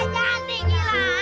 jangan jadi gila